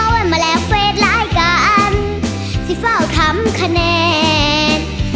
ว่ามาแล้วเฟสลายกันสิเฝ้าทำขนาด